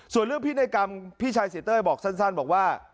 ส่วนเรื่องพินัยกรรมพี่ชายเสียเต้ยบอกสั้นบอกว่า